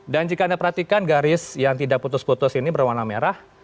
dan jika anda perhatikan garis yang tidak putus putus ini berwarna merah